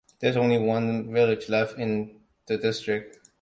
There is only one village left in the district.